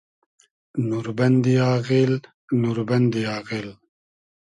نوربئندی آغیل ، نوربئندی آغیل